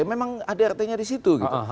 memang adrt nya di situ gitu